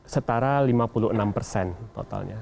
setara lima puluh enam persen totalnya